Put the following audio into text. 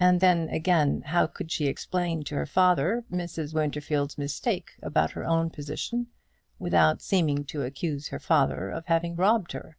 And then again, how could she explain to her father Mrs. Winterfield's mistake about her own position without seeming to accuse her father of having robbed her?